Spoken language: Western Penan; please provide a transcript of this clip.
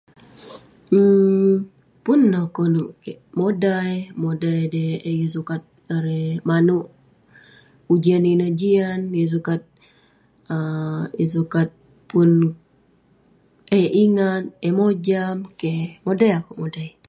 um pun neh konep kek modai, modai dei eh yeng sukat erei manouk ujian ineh jian, yeng sukat- [um]yeng sukat eh ingat, eh mojam. Keh. Modai akouk modai.